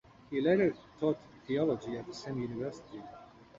He later taught theology at the same university.